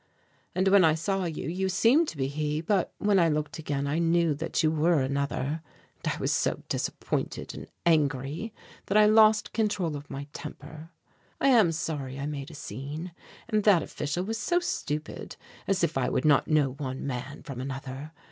And when I saw you, you seemed to be he, but when I looked again I knew that you were another and I was so disappointed and angry that I lost control of my temper. I am sorry I made a scene, and that official was so stupid as if I would not know one man from another!